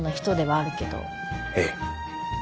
ええ。